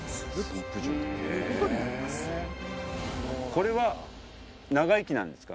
これは長生きなんですか？